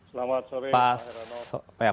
selamat sore pak heranot